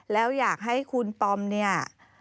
แล้วอยากให้คุณปอมเนี่ย